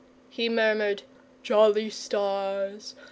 he murmured. "Jolly stars!